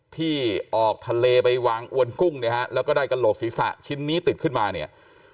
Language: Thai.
ที่ออกทะเลไปวางอวนกุ้งเนี่ยฮะแล้วก็ได้กระโหลกศีรษะชิ้นนี้ติดขึ้นมาเนี่ย